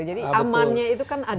jadi amannya itu kan ada